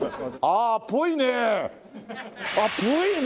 っぽいね！